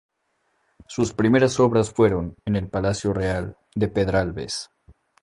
Sus primeras obras fueron en el Palacio Real de Pedralbes.